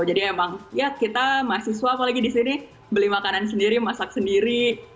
jadi emang ya kita mahasiswa apalagi disini beli makanan sendiri masak sendiri